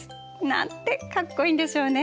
なんてかっこいいんでしょうね。